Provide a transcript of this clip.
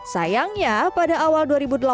sayangnya pada awal dua ribu delapan belas